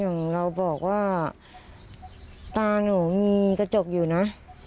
ของเราบอกว่าตาหนูมีกระจกอยู่นะ